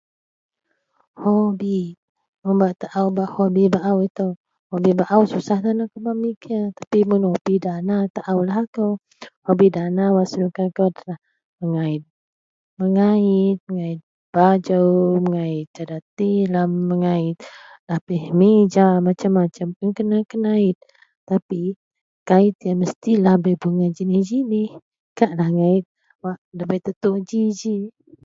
Hobi, mun bak taou hobi baou itou, hobi baou susah tan akou bak memikir, tapi hobi dana taoulah akou. Hobi dana wak senuka koulah mengait. mengait, mengait bajou, mengait cadar tilem, mengait lapih mija. macem-macem un kena kenait tapi kait yen mestilah bei bunga jinih-jinih. Kaklah wak ndabei tetok ji-ji